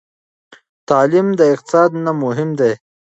تعلیم د اقتصاد نه مهم دی.